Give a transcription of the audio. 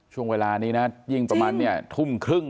ช่วงเวลานี้นะยิ่งประมาณเนี่ยทุ่มครึ่ง